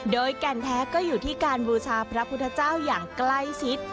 โดยแก่นแท้ก็อยู่ที่การบูชาพระพุทธเจ้าอย่างใกล้ชิด